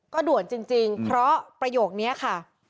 ก็ด่วนจริงเพราะประโยคนี้ค่ะ